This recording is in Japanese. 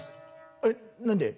「えっ何で？」。